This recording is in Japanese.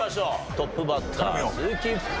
トップバッター鈴木福さん